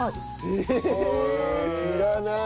へえ知らない！